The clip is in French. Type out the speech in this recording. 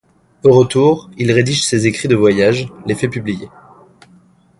Au retour, il rédige ses récits de voyage, les fait publier.